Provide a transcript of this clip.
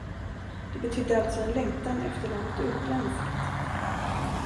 Det betydde alltså en längtan efter något utländskt.